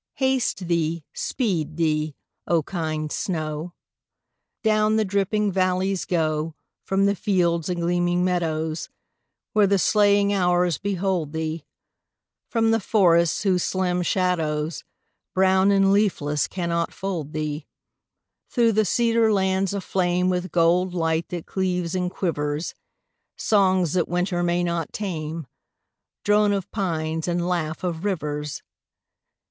Haste thee, speed thee, O kind snow; Down the dripping valleys go, From the fields and gleaming meadows, Where the slaying hours behold thee, From the forests whose slim shadows, Brown and leafless cannot fold thee, Through the cedar lands aflame With gold light that cleaves and quivers, Songs that winter may not tame, Drone of pines and laugh of rivers.